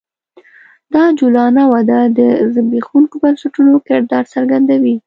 دا عجولانه وده د زبېښونکو بنسټونو کردار څرګندوي